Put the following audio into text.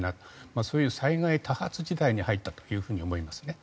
そういう災害多発時代に入ったというふうに思いますね。